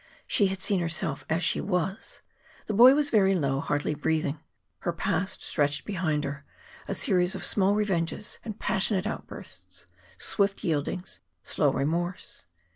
She had seen herself as she was. The boy was very low, hardly breathing. Her past stretched behind her, a series of small revenges and passionate outbursts, swift yieldings, slow remorse.